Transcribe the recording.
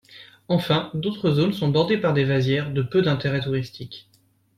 Enfin, d'autres zones sont bordées par des vasières, de peu d'intérêt touristique.